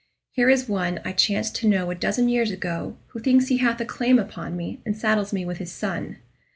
Here is one I chanced to know a dozen years ago, who thinks he hath a claim upon me, and saddles me with his son.